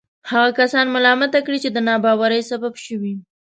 هغه کسان ملامته کړي چې د ناباورۍ سبب شوي.